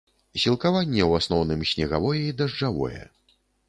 Сілкаванне ў асноўным снегавое і дажджавое.